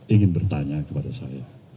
ingin bertanya kepada saya